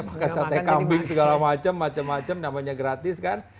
suka sate kambing segala macam macam namanya gratis kan